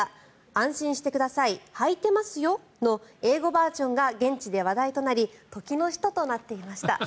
「安心してください、はいてますよ」の英語バージョンが現地で話題となり時の人となっていました。